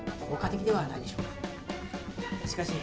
効果的ではないでしょうか。